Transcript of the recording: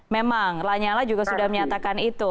memang lanya lah juga sudah menyatakan itu